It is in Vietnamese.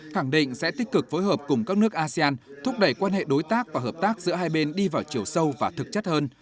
khẳng định sẽ tích cực phối hợp cùng các nước asean thúc đẩy quan hệ đối tác và hợp tác giữa hai bên đi vào chiều sâu và thực chất hơn